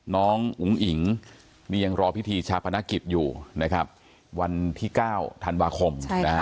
น้องอุ๋นอิงยังรอพิธีชาปนากิจอยู่วันที่๙ธันวาคม